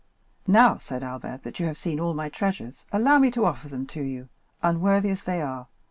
"Now," said Albert, "that you have seen all my treasures, allow me to offer them to you, unworthy as they are.